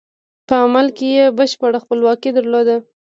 په عمل کې یې بشپړه خپلواکي درلوده.